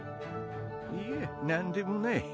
いやなんでもない。